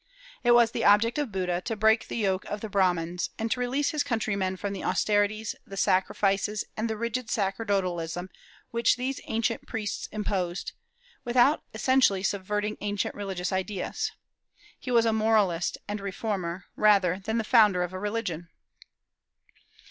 It was the object of Buddha to break the yoke of the Brahmans, and to release his countrymen from the austerities, the sacrifices, and the rigid sacerdotalism which these ancient priests imposed, without essentially subverting ancient religious ideas. He was a moralist and reformer, rather than the founder of a religion.